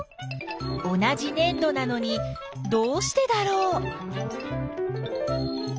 同じねん土なのにどうしてだろう？